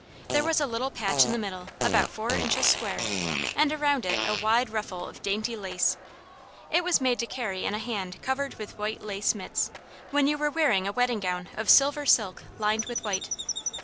There was a little patch in the middle about four inches square, and around it a wide ruffle of dainty lace. It was made to carry in a hand covered with white lace mitts, when you were wearing a wedding gown of silver silk, lined with white.